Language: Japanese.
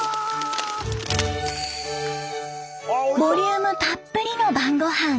ボリュームたっぷりの晩御飯。